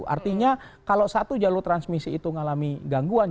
artinya kalau satu jalur transmisi itu mengalami gangguan